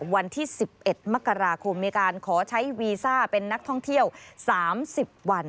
วันที่๑๑มกราคมมีการขอใช้วีซ่าเป็นนักท่องเที่ยว๓๐วัน